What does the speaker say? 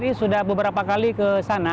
kita bri sudah beberapa kali kesana